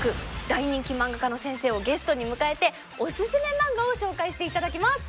大人気漫画家の先生をゲストに迎えてオススメ漫画を紹介して頂きます。